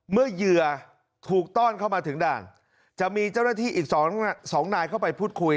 เหยื่อถูกต้อนเข้ามาถึงด่านจะมีเจ้าหน้าที่อีก๒นายเข้าไปพูดคุย